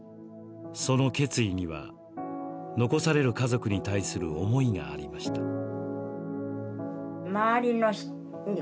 その決意には、残される家族に対する思いがありました。